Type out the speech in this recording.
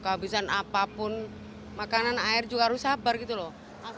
kehabisan apapun makanan air juga harus sabar gitu loh